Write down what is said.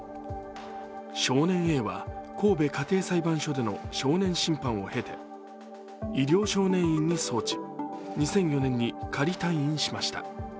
少年Ａは神戸家庭裁判所での少年審判を経て、医療少年院に送致、２００４年に仮退院しました。